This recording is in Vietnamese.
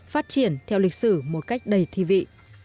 phát triển theo lịch sử một cách đầy thi vị